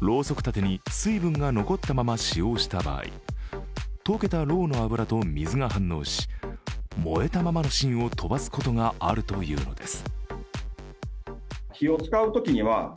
ろうそく立てに水分が残ったまま使用した場合、溶けたろうの油と水が反応し、燃えたままの芯を飛ばすことがあるというのです。